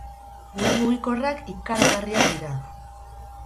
Gure mugikorrak ikaragarriak dira.